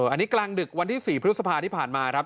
อันนี้กลางดึกวันที่๔พฤษภาที่ผ่านมาครับ